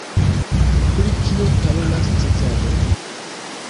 Pri kio parolas Cezaro?